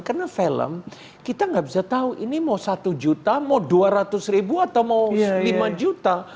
karena film kita gak bisa tahu ini mau satu juta mau dua ratus ribu atau mau lima juta